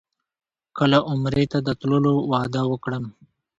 کله عمرې ته د تللو وعده وکړم.